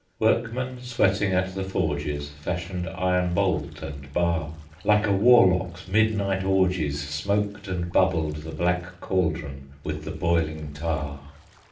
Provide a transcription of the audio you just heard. Workmen sweating at the forges Fashioned iron bolt and bar, Like a warlock's midnight orgies Smoked and bubbled the black caldron With the boiling tar.